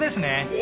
え？